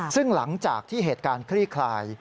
ซึ่งหลังจากที่เหตุการณ์คลี่คลาย